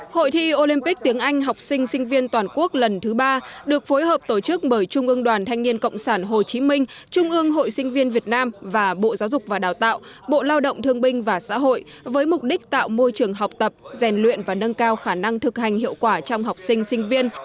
hội thi olympic tiếng anh học sinh sinh viên toàn quốc lần thứ ba được phối hợp tổ chức bởi trung ương đoàn thanh niên cộng sản hồ chí minh trung ương hội sinh viên việt nam và bộ giáo dục và đào tạo bộ lao động thương binh và xã hội với mục đích tạo môi trường học tập rèn luyện và nâng cao khả năng thực hành hiệu quả trong học sinh sinh viên